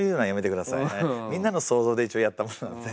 みんなの想像で一応やったことなので。